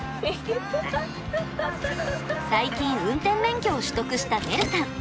最近運転免許を取得したねるさん。